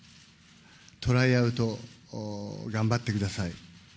トライアウト、頑張ってください。